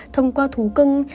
thông qua thú cưng